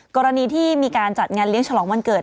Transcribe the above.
กรณีที่มีการจัดงานเลี้ยงฉลองวันเกิด